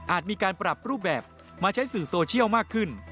มีการปรับรูปแบบมาใช้สื่อโซเชียลมากขึ้น